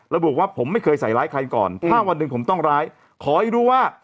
ระบุว่าผมไม่เคยใส่ร้ายใครก่อนถ้าวันหนึ่งผมต้องร้ายขอให้รู้ว่า